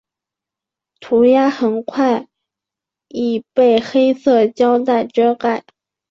涂鸦很快已被黑色胶袋遮盖。